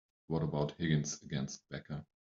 What about Higgins against Becca?